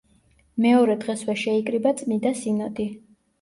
მეორე დღესვე შეიკრიბა წმიდა სინოდი.